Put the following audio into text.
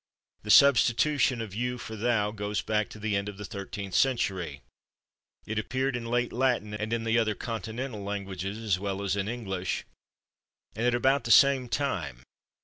The substitution of /you/ for /thou/ goes back to the end of the thirteenth century. It appeared in late Latin and in the other continental languages as well as in English, and at about the same time.